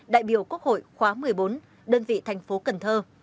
đại biểu quốc hội khóa một mươi bốn đơn vị thành phố cần thơ